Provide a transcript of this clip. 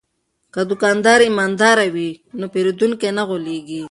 که دوکاندار ایماندار وي نو پیرودونکی نه غولیږي.